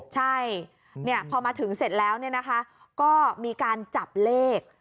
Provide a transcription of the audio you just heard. ใช่พอมาถึงเสร็จแล้วก็มีการจับเลข